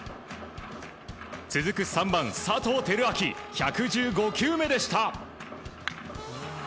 続く３番、佐藤輝明１１５球目でした。